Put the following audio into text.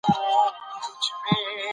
خدمت د خلکو د هوساینې کچه لوړوي.